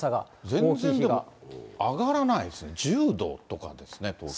全然上がらないですね、１０度とかですね、東京ね。